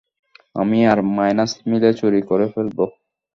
আমি আর মাইনাস মিলে চুরি করে ফেলব।